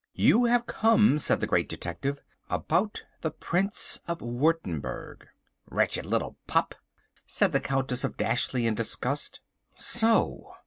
"You have come," said the Great Detective, "about the Prince of Wurttemberg." "Wretched little pup!" said the Countess of Dashleigh in disgust. So!